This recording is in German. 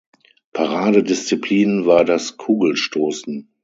Paradedisziplin war das Kugelstoßen.